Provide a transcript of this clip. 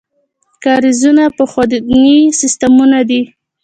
کاریزونه پخواني سیستمونه دي.